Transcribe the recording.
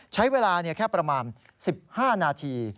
ใช้เวลาแค่ประมาณ๑๕นาที